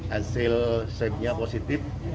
hasil seginya positif